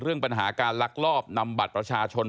เรื่องปัญหาการลักลอบนำบัตรประชาชน